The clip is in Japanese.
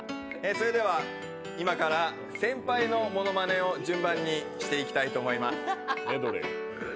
それでは今から先輩のものまねを順番にしていきたいと思います。